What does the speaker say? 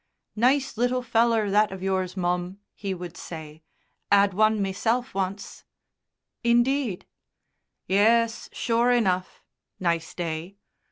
"Nice little feller, that of yours, mum," he would say. "'Ad one meself once." "Indeed?" "Yes, sure enough.... Nice day....